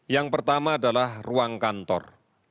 yang pertama adalah ruang kantor